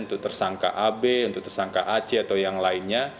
untuk tersangka ab untuk tersangka ac atau yang lainnya